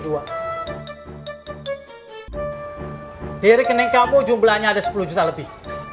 diri kening kamu jumlahnya ada sepuluh juta lebih